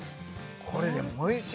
これでもおいしい